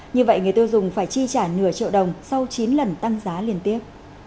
như vậy người tiêu dùng phải chi trả nửa triệu đồng sau chín lần tăng giá liên tiếp